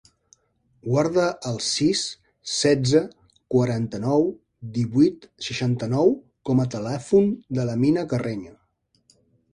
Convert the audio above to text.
Guarda el sis, setze, quaranta-nou, divuit, seixanta-nou com a telèfon de l'Amina Carreño.